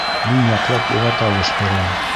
Мин яҡлап уға тауыш бирәм.